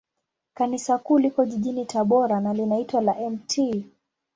Kanisa Kuu liko jijini Tabora, na linaitwa la Mt.